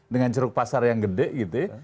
dengan jeruk pasar yang gede gitu